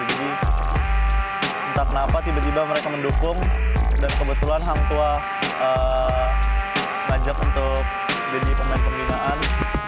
entah kenapa tiba tiba mereka mendukung dan kebetulan hang tua ajak untuk jadi pemain pembinaan